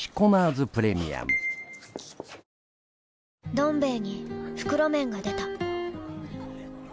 「どん兵衛」に袋麺が出た